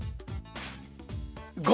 ５！